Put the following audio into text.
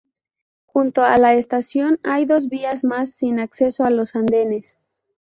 Junto a la estación hay dos vías más sin acceso a los andenes.